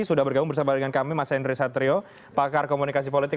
sudah bergabung bersama dengan kami mas henry satrio pakar komunikasi politik